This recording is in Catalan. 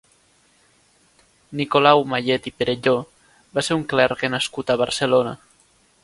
Nicolau Mayet i Perelló va ser un clergue nascut a Barcelona.